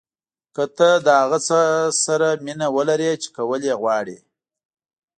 که تۀ له هغه څه سره مینه ولرې چې کول یې غواړې.